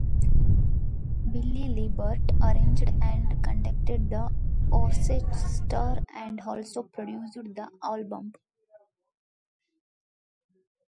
Billy Liebert arranged and conducted the orchestra and also produced the album.